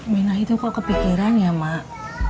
mina itu kok kepikiran ya mak